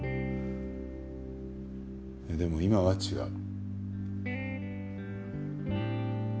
いやでも今は違う。